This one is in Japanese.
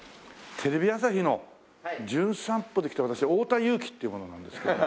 テレビ朝日の『じゅん散歩』で来た私太田雄貴っていう者なんですけども。